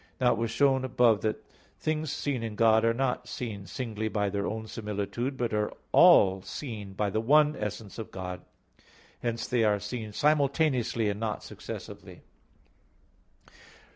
Now it was shown above that things seen in God, are not seen singly by their own similitude; but all are seen by the one essence of God. Hence they are seen simultaneously, and not successively.